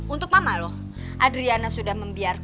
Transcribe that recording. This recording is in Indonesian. untuk mama loh